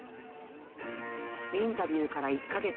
インタビューから１か月。